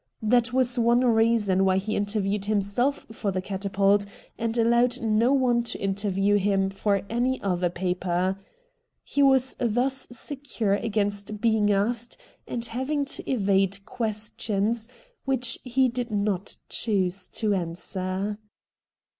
That was one reason why he interviewed himself for the ' Catapult ' and allowed no one to interview him for any other 2o6 RED DIAMONDS paper. He was tliiis secure against being asked and having to evade questions which he did not choose to answer.